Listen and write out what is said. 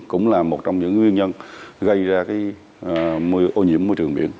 cũng là một trong những nguyên nhân gây ra ô nhiễm môi trường biển